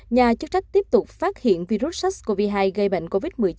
nhà chức trách tiếp tục phát hiện virus sars cov hai gây bệnh covid một mươi chín